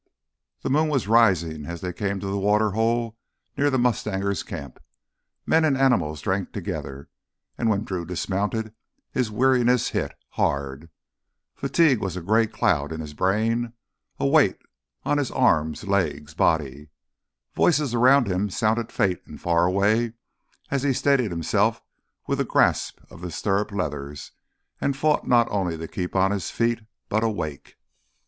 The moon was rising as they came to the water hole near the mustangers' camp. Men and animals drank together, and when Drew dismounted his weariness hit—hard. Fatigue was a gray cloud in his brain, a weight on arms, legs, body. Voices around him sounded faint and far away as he steadied himself with a grasp on the stirrup leathers and fought not only to keep on his feet but awake.